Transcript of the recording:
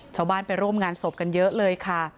ชาวบ้านไปร่วมงานศพกันเยอะเลยค่ะ